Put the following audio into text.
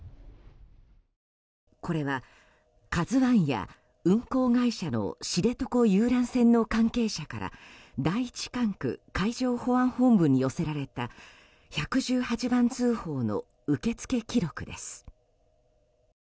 これは「ＫＡＺＵ１」や運航会社の知床遊覧船の関係者から第１管区海上保安本部に寄せられた１１８番通報の受付記録です。